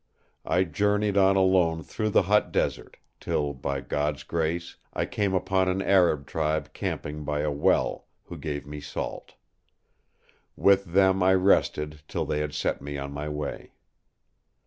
I journeyed on alone through the hot desert, till, by God's grace, I came upon an Arab tribe camping by a well, who gave me salt. With them I rested till they had set me on my way.